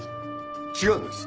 違うんです。